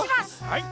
はい！